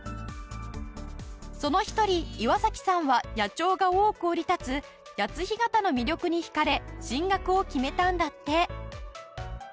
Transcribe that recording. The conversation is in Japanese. その一人岩崎さんは野鳥が多く降り立つ谷津干潟の魅力に引かれ進学を決めたんだって。